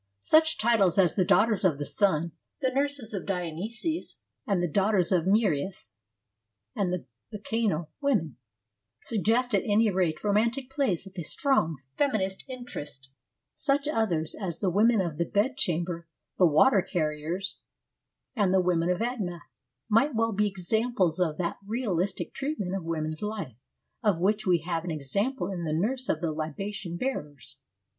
Such titles as the ' Daughters of the Sun,' the ' Nurses of Dionysus,' the ' Daughters of Nereus,' and the ' Bacchanal Women,' suggest at any rate romantic plays with a strong feminine interest ; such others as the ' Women of the Bedchamber,' the ' Water carriers,' and the ' Women of Etna,' might well be examples of that realistic treatment of women's life of which we have an example in the Nurse of the ' Libation bearers.'